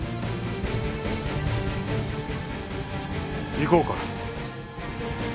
行こうか。